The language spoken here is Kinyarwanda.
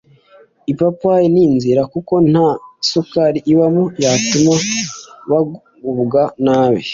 ipapayi ni nziza kuko nta sukari ibamo yatuma bagubwa nabi